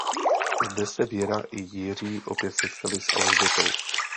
Zde se Věra i Jiří opět setkali s Alžbětou.